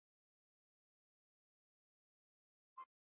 hatuwezi kuendelea na aina hizi za viongozi katika bara afrika